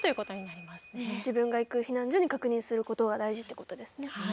自分が行く避難所に確認することが大事ってことですね。